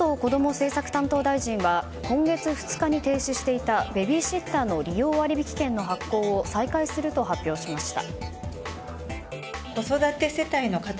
政策担当大臣は今月２日に停止していたベビーシッターの利用割引券の発行を再開すると発表しました。